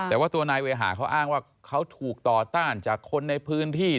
แต่ว่าตัวนายเวหาเขาอ้างว่าเขาถูกต่อต้านจากคนในพื้นที่